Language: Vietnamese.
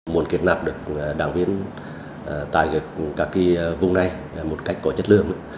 muốn kiệt nạp được đảng viên tài gợi các vùng này một cách có chất lượng